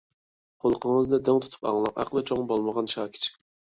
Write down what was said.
قۇلىقىڭىزنى دىڭ تۇتۇپ ئاڭلاڭ ئەقلى چوڭ بولمىغان شاكىچىك!